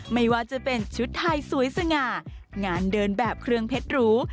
ไม่ว่าจะเป็นชุดไทยสวยสง่างานเดินแบบเครื่องเพชรหรู